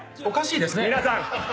皆さん